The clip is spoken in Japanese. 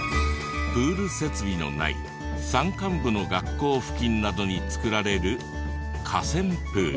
プール設備のない山間部の学校付近などに作られる河川プール。